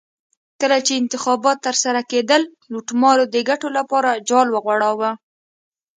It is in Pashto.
کله چې انتخابات ترسره کېدل لوټمارو د ګټو لپاره جال وغوړاوه.